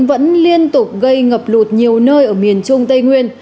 vẫn liên tục gây ngập lụt nhiều nơi ở miền trung tây nguyên